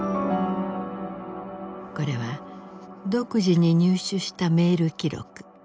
これは独自に入手したメール記録。